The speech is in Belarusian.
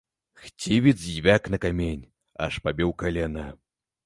Хцівец звяк на камень, аж пабіў калена.